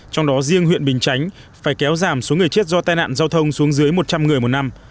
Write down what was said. trong đó riêng huyện bình chánh phải kéo giảm số người chết do tai nạn giao thông xuống dưới một trăm linh người một năm